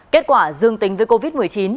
kết quả dương tính với covid một mươi chín